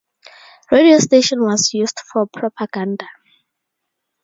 Radio station was used for propaganda.